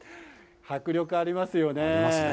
迫力ありますよね。